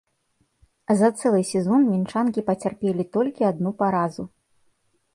За цэлы сезон мінчанкі пацярпелі толькі адну паразу!